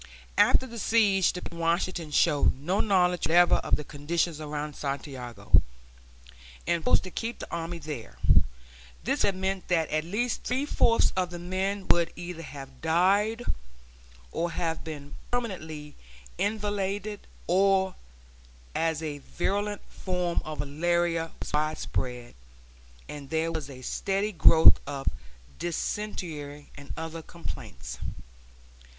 After the siege the people in Washington showed no knowledge whatever of the conditions around Santiago, and proposed to keep the army there. This would have meant that at least three fourths of the men would either have died or have been permanently invalided, as a virulent form of malaria was widespread, and there was a steady growth of dysentery and other complaints.